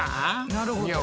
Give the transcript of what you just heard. なるほど。